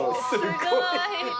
すごーい。